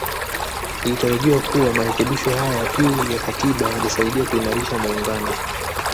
Ilitarajiwa kuwa marekebisho haya ya pili ya Katiba yangesaidia kuimarisha muungano